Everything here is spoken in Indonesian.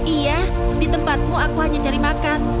iya di tempatmu aku hanya cari makan